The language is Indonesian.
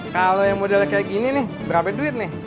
kalau yang modelnya kayak gini nih berapa duit nih